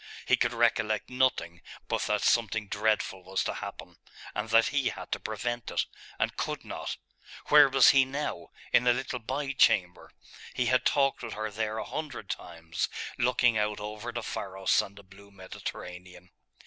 He could recollect nothing but that something dreadful was to happen and that he had to prevent it, and could not.... Where was he now? In a little by chamber.... He had talked with her there a hundred times, looking out over the Pharos and the blue Mediterranean....